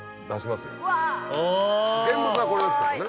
現物はこれですけどね